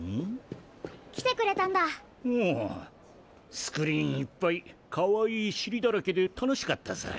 スクリーンいっぱいかわいいしりだらけでたのしかったぞい。